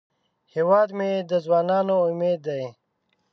هیواد مې د ځوانانو امید دی